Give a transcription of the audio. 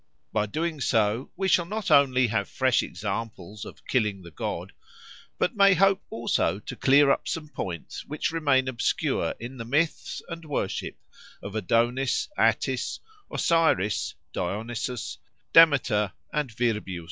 By doing so we shall not only have fresh examples of killing the god, but may hope also to clear up some points which remain obscure in the myths and worship of Adonis, Attis, Osiris, Dionysus, Demeter, and Virbius.